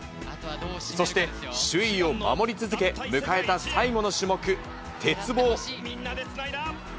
そして、首位を守り続け、迎えた最後の種目、鉄棒。